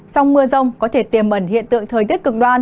trong mưa rông có thể tiềm mẩn hiện tượng thời tiết cực đoan